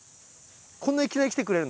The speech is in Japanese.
こんないきなり来てくれるの？